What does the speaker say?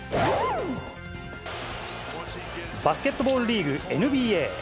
バスケットボールリーグ、ＮＢＡ。